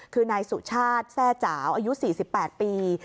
คือนายสุชาติแทร่จ๋าอายุ๔๘ปี